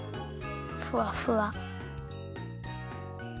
ふわふわ。